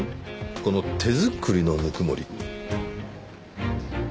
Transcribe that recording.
この手作りの温もり。